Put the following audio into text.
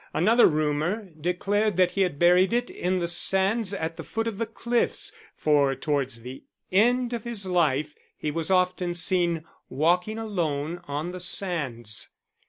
Another rumour declared that he had buried it in the sands at the foot of the cliffs, for towards the end of his life he was often seen walking alone on the sands.